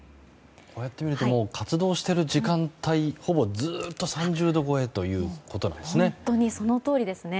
こうやって見ると活動している時間帯ほぼずっと３０度超えということですね。